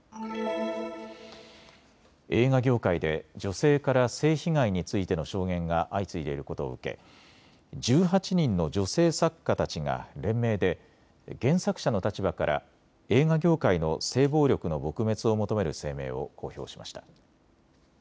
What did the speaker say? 映画業界で女性から性被害についての証言が相次いでいることを受け１８人の女性作家たちが連名で原作者の立場から映画業界の性暴力の撲滅を求める声明を公表しました。